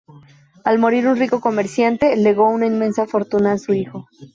Al morir un rico comerciante, legó una inmensa fortuna a su hijo.